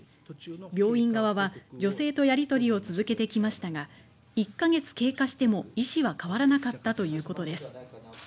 病院側は女性とやり取りを続けてきましたが１か月経過しても、意思は変わらなかったということです。